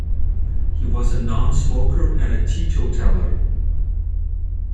He was a non-smoker and a teetotaller.